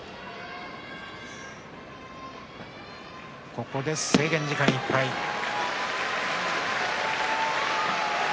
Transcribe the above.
ここで制限時間いっぱいです。